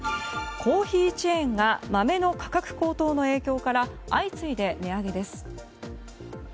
コーヒーチェーンが豆の価格高騰の影響から相次いで値上げです。